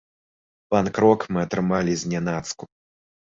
Панк-рок мы атрымалі знянацку.